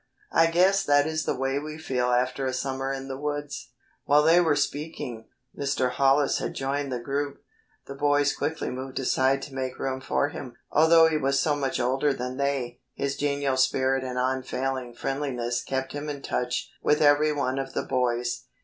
I guess that is the way we feel after a summer spent in the woods." While they were speaking, Mr. Hollis had joined the group. The boys quickly moved aside to make room for him. Although he was so much older than they, his genial spirit and unfailing friendliness kept him in touch with every one of the boys.